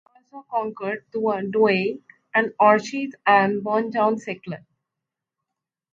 The French also conquered Douai and Orchies and burned down Seclin.